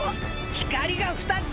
光が２つ！